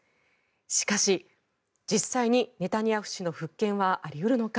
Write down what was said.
しかし、実際にネタニヤフ氏の復権はあり得るのか。